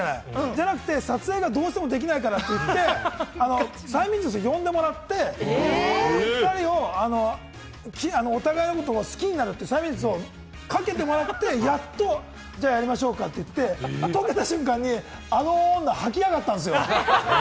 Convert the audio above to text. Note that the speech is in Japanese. じゃなくて、撮影がどうしてもできないからって言って、催眠術を呼んでもらって、２人をお互いのことを好きになるという催眠術をかけてもらって、やっと、じゃあやりましょうかって言って、撮れた瞬間に、あの大女、はきやがったんですよ。